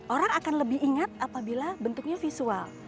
orang akan lebih ingat apabila bentuknya visual